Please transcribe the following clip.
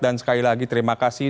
dan sekali lagi terima kasih